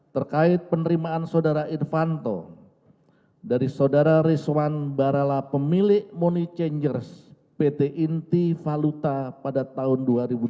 terkait penerimaan saudara irvanto dari saudara rizwan barala pemilik money changers pt inti valuta pada tahun dua ribu tujuh belas